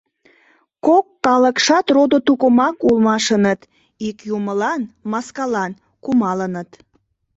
Кок калыкшат родо-тукымак улмашыныт, ик юмылан — Маскалан — кумалыныт.